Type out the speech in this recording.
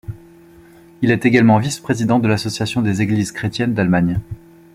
Il est également vice-président de l'association des Églises chrétiennes d'Allemagne.